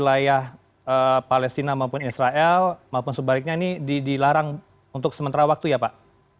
wilayah palestina maupun israel maupun sebaliknya ini dilarang untuk sementara waktu ya pak